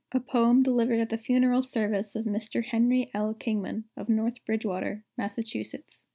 [A poem delivered at the funeral service of Mr. Henry L. Kingman, of North Bridgewater, Mass.